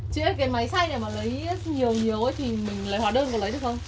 chị ơi cái máy xay này mà lấy nhiều nhiều ấy thì mình lấy hóa đơn có lấy được không